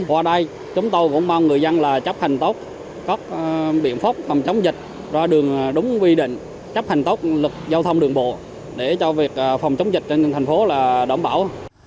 qua đây chúng tôi cũng mong người dân là chấp hành tốt các biện pháp phòng chống dịch ra đường đúng quy định chấp hành tốt luật giao thông đường bộ để cho việc phòng chống dịch trên thành phố là đảm bảo